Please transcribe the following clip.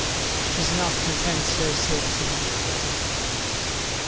'Tis not content so soon to be alone.